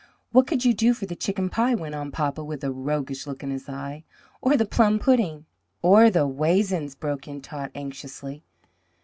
"What could you do for the chicken pie?" went on papa with a roguish look in his eye, "or the plum pudding?" "Or the waisins?" broke in Tot anxiously.